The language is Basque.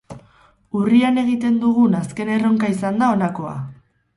Urrian egiten dugun azken erronka izan da honakoa.